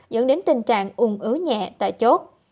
dẫn đến tình trạng ung ứ nhẹ tại chốt